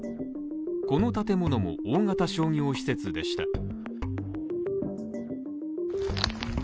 この建物も大型商業施設でした。